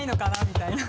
みたいな。